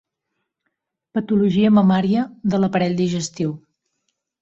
Patologia mamària, de l'aparell digestiu.